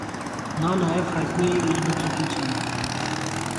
Նա նաև հայտնի էր իր գծուծությամբ։